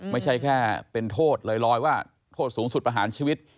ไม่ใช่แค่เป็นโทษลอยว่าโทษสูงสุดประหารชีวิต